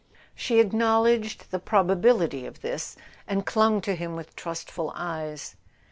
She acknowledged the probability of this, and clung to him with trustful eyes.